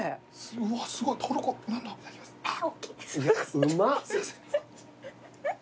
うまっ！